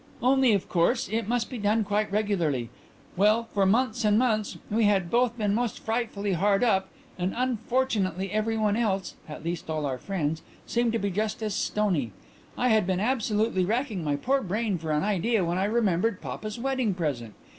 Only, of course, it must be done quite regularly. Well, for months and months we had both been most frightfully hard up, and, unfortunately, everyone else at least all our friends seemed just as stony. I had been absolutely racking my poor brain for an idea when I remembered papa's wedding present.